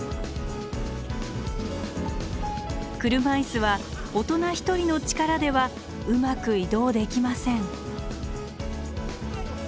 車椅子は大人１人の力ではうまく移動できません。